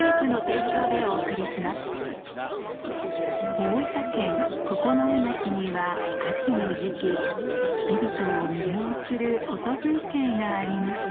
大分県九重町には秋の時期人々を魅了する音風景がありました